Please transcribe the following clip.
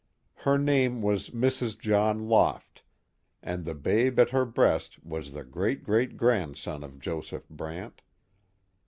Her name was Mrs. John Loft, and the babe at her breast was the great great grandson of Joseph Brant.